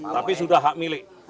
tapi sudah hak milik